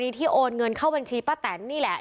กรณีที่โอนเงินเข้าบัญชีประแตนท์นี่แหละ